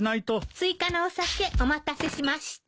追加のお酒お待たせしました。